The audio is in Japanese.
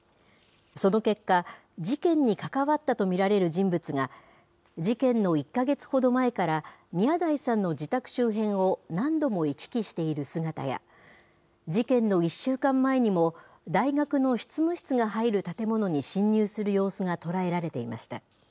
その結果、事件に関わったと見られる人物が、事件の１か月ほど前から、宮台さんの自宅周辺を何度も行き来している姿や、事件の１週間前にも、大学の執務室が入る建物に侵入する様子が捉えられていました。